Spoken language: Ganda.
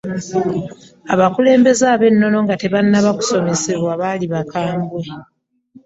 Abakulembeze ab’ennono nga tebannaba kusomesebwa, baali bakambwe.